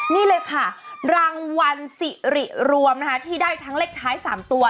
นี่เลยค่ะรางวัลสิริรวมนะคะที่ได้ทั้งเลขท้าย๓ตัว